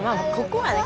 ここはね。